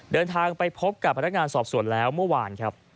เดินทางไปพบกับพนักงานสอบสวนแล้วเมื่อวานครับ